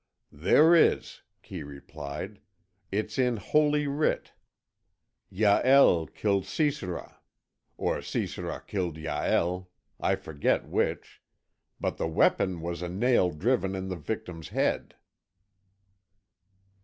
"There is," Kee replied, "it's in Holy Writ. Jael killed Sisera, or Sisera killed Jael, I forget which, but the weapon was a nail driven in the victim's head."